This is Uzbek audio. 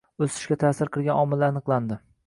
O‘sishga ta’sir qilgan omillar aniqlandi